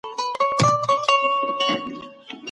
يووالی مهم دی.